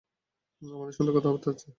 আমাদের সুন্দর কথাবার্তা হচ্ছে।